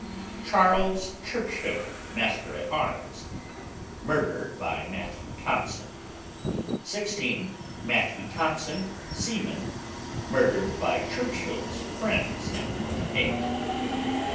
CHAS. CHURCHILL, master at arms, murdered by Matthew Thompson. 16. MATTHEW THOMPSON, seaman, murdered by Churchill's friends in Otaheite.